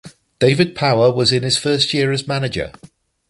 David Power was in his first year as manager.